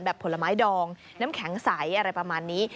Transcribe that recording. ผลไม้ดองน้ำแข็งใสอะไรประมาณนี้